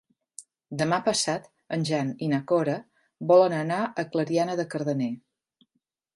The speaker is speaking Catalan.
Demà passat en Jan i na Cora volen anar a Clariana de Cardener.